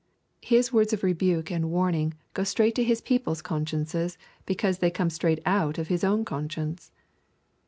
His words of rebuke and warning go straight to his people's consciences because they come straight out of his own conscience.